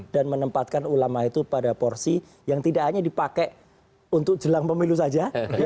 dan menempatkan ulama itu pada porsi yang tidak hanya dipakai untuk jelang pemilu saja